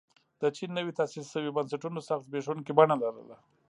د چین نویو تاسیس شویو بنسټونو سخته زبېښونکې بڼه لرله.